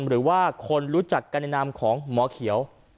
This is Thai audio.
หรือว่าคนรู้จักกันในนามของหมอเขียว